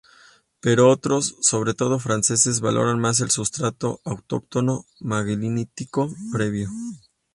Pero otros, sobre todo franceses, valoran más el sustrato autóctono megalítico previo.